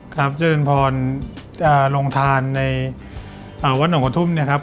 ครับเจริญพรจะลงทานในวัดหนองกระทุ่มนะครับ